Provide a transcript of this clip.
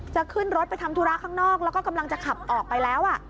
จะขึ้นรถไปทำธุระข้างนอกแล้วก็กำลังจะขับออกไปแล้ว